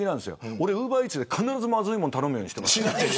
俺は必ずウーバーイーツでまずいもの頼むようにしています。